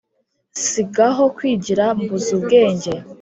si gaho kwigira mbuzubwenge